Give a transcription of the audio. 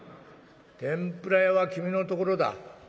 天ぷら屋は君のところだ。